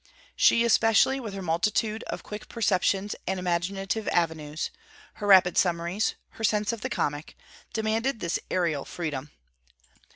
She, especially, with her multitude of quick perceptions and imaginative avenues, her rapid summaries, her sense of the comic, demanded this aerial freedom.